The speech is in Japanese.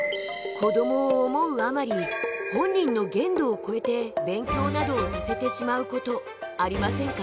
子どもを思うあまり本人の限度を超えて勉強などをさせてしまうことありませんか？